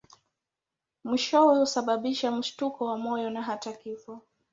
Mwishowe husababisha mshtuko wa moyo na hata kifo.